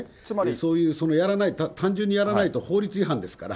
そういうやらない、単純にやらないと法律違反ですから。